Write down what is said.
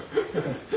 ハハハハ。